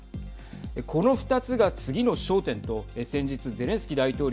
この２つが次の焦点と先日ゼレンスキー大統領